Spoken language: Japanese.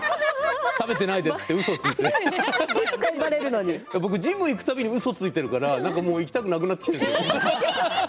食べてないですとうそをついて僕ジムに行く度にうそついてるから行きたくなくなってくるんです。